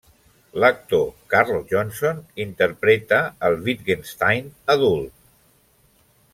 L'actor Karl Johnson interpreta el Wittgenstein adult.